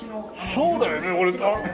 そうだよね？